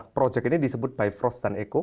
proyek ini disebut bifrost dan eco